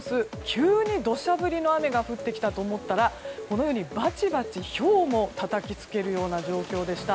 急に土砂降りの雨が降ってきたと思ったらこのようにバチバチ、ひょうもたたきつけるような状況でした。